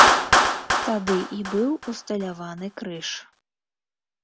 Тады і быў усталяваны крыж.